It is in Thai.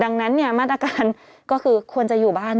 ดังนั้นมาตรการก็คือควรจะอยู่บ้าน